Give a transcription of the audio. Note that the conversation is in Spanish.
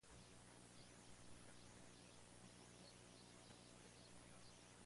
Es graduado de Administración de Empresas de la Universidad de La Sabana.